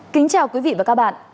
kính chào quý vị và các bạn